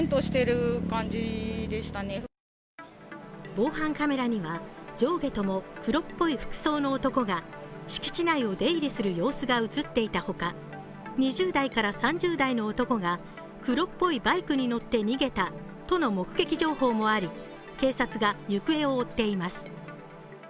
防犯カメラには上下とも黒っぽい服装の男が敷地内を出入りする様子が映っていたほか、２０代から３０代の男が黒っぽいバイクに乗って逃げたとの目撃情報もあり、警察が行方を追っています。